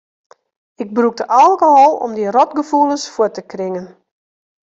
Ik brûkte alkohol om dy rotgefoelens fuort te kringen.